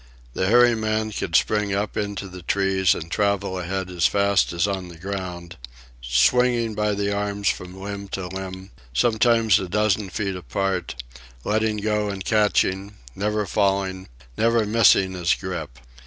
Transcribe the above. The hairy man could spring up into the trees and travel ahead as fast as on the ground, swinging by the arms from limb to limb, sometimes a dozen feet apart, letting go and catching, never falling, never missing his grip.